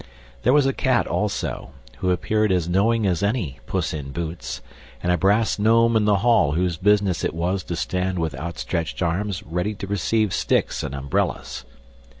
There was a cat also, who appeared as knowing as any Puss in Boots, and a brass gnome in the hall whose business it was to stand with outstretched arms ready to receive sticks and umbrellas.